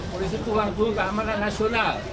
polisi pulang ke keamanan nasional